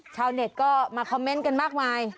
ชาวเน็ตก็มาคอมเมนต์กันมากมาย